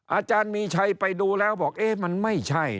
อาจารย์มีชัยไปดูแล้วบอกเอ๊ะมันไม่ใช่